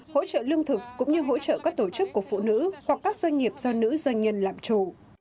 hỗ trợ lương thực cũng như hỗ trợ các tổ chức của phụ nữ hoặc các doanh nghiệp do nữ doanh nhân làm chủ